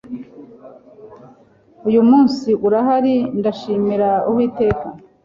uyu munsi urahari, ndashimira uwiteka